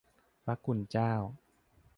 พระคุณเจ้า